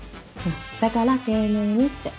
だから丁寧にって。